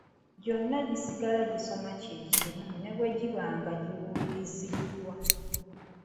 Gyonna gisigala gisoma kye kimu ne bwe giba nga giwunzikiddwa.